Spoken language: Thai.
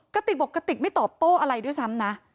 กระติกบอกกระติกไม่ตอบโต้อะไรด้วยซ้ำนะ